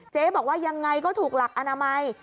เจ๊บอกว่ายังไงก็ถูกหลักอนามัย